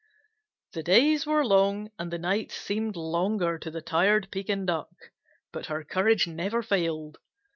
The days were long and the nights seemed longer to the tired Pekin Duck, but her courage never failed.